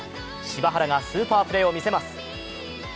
柴原がスーパープレーを見せます。